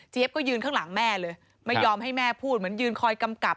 ก็ยืนข้างหลังแม่เลยไม่ยอมให้แม่พูดเหมือนยืนคอยกำกับ